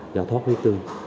do thoát huyết tương